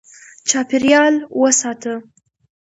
چاپېریال وساته.